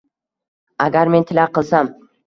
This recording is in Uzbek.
Agar men tilak qilsam